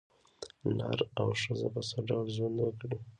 نر او ښځه په څه ډول ژوند وکړي.